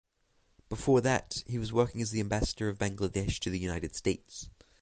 Before that he was working as the Ambassador of Bangladesh to the United States.